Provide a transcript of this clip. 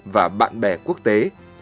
và bạn bè quốc tế